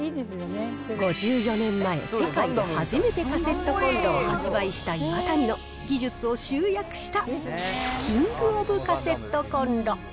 ５４年前、世界で初めてカセットコンロを発売したイワタニの技術を集約したキングオブカセットコンロ。